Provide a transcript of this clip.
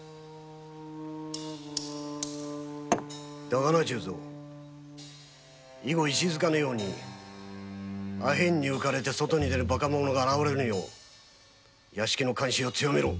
だがな大木以後石塚のようにアヘンに浮かれて外に出るバカ者が現れぬよう屋敷の監視を強めろ！